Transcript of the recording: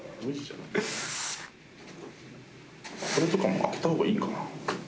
これとかも開けた方がいいかな？